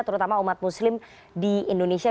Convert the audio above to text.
terutama umat muslim di indonesia